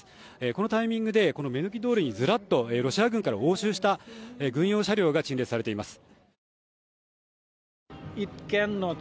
このタイミングで目抜き通りにずらっとロシア軍から押収した軍用車両が陳列されています。